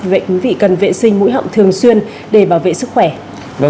vậy quý vị cần vệ sinh mũi họng thường xuyên để bảo vệ sức khỏe